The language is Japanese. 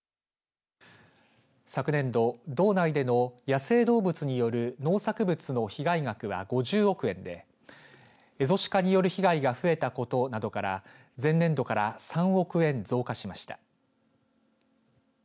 昨年度、道内での野生動物による農作物の被害額は５０億円でエゾシカによる被害が増えたことなどから前年度から３億円増加しました。